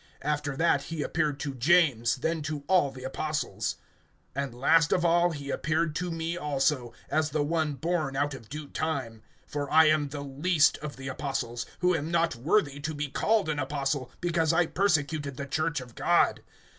(7)After that, he appeared to James; then to all the apostles. (8)And last of all he appeared to me also, as the one born out of due time. (9)For I am the least of the apostles, who am not worthy to be called an apostle, because I persecuted the church of God.